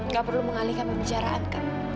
gak perlu mengalihkan pembicaraan kak